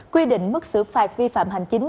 quy định mức xử phạt vi phạm hành chính